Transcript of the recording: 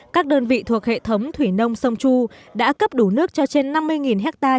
các đơn vị thuộc hệ thống thủy nông sông chu đã cấp đủ nước cho trên năm mươi ha